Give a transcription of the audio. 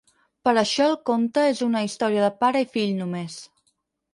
Per això el conte és una història de pare i fill, només.